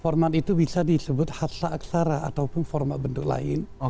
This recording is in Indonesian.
format itu bisa disebut hassa aksara ataupun format bentuk lain